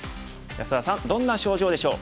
安田さんどんな症状でしょう？